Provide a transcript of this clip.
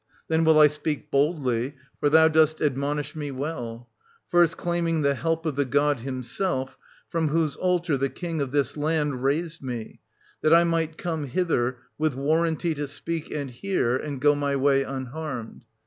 Then will I speak boldly, — for thou dost ad monish me well, — first claiming the help of the god himself, from whose altar the king of this land raised me, that I might come hither, with warranty to speak and hear, and go my way unharmed.